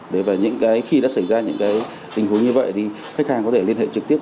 đấy và những cái khi đã xảy ra những cái tình huống như vậy thì khách hàng có thể liên hệ trực tiếp